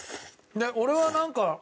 俺はなんか。